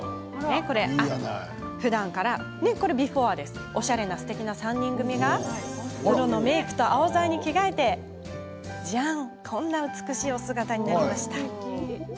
ふだんから、おしゃれですてきな３人組がプロのメイクとアオザイに着替えてこんな美しい姿になりました。